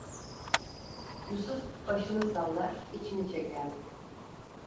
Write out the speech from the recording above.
Yusuf başını sallar, içini çekerdi.